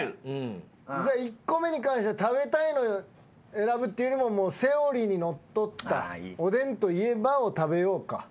じゃあ１個目に関しては食べたいの選ぶっていうよりもセオリーにのっとったおでんといえばを食べようか。